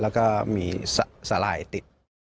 แล้วก็มีสลายติด